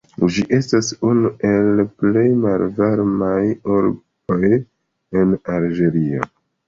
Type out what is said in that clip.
Ĝi estas unu el plej malvarmaj urboj de Alĝerio.